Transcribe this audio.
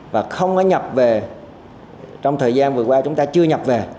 và không có nhập về trong thời gian vừa qua chúng ta chưa nhập về